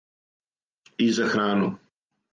И за храну.